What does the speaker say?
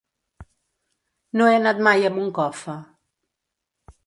No he anat mai a Moncofa.